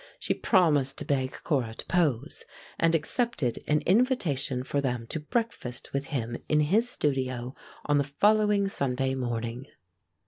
She promised to beg Cora to pose, and accepted an invitation for them to breakfast with him in his studio on the following Sunday morning.